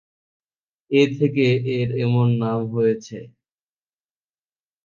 এ থেকে এর এমন নাম হয়েছে।